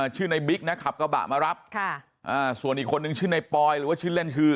ชื่อในบิ๊กนะขับกระบะมารับค่ะอ่าส่วนอีกคนนึงชื่อในปอยหรือว่าชื่อเล่นคือ